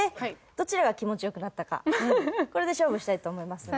どちらが気持ち良くなったかこれで勝負したいと思いますので。